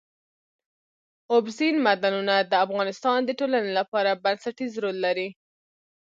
اوبزین معدنونه د افغانستان د ټولنې لپاره بنسټيز رول لري.